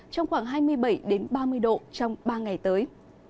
trong khoảng hai mươi bảy ba mươi độ trong ba ngày tới